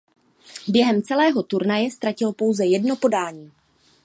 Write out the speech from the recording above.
Během celého turnaje ztratil pouze jedno podání.